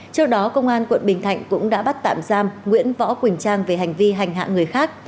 trước đó công an quận bình thạnh cũng đã bắt tạm giam nguyễn võ quỳnh trang về hành vi hành hạ người khác